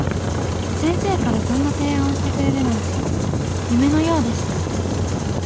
先生からそんな提案をしてくれるなんて夢のようでした。